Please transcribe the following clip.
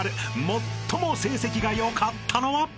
最も成績がよかったのは？］